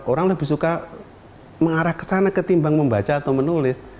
orang lebih suka mengarah ke sana ketimbang membaca atau menulis